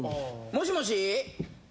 もしもし！